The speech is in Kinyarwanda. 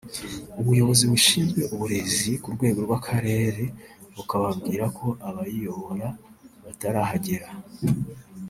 ubuyobozi bushinzwe uburezi ku rwego rw’Akarere bukababwira ko abayiyobora batarahagera